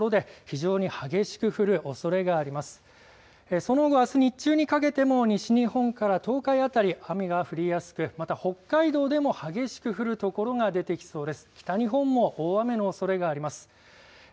その後、あす日中にかけても西日本から東海辺り、雨が降りやすく、また北海道でも激しく降る所が出てきそうです。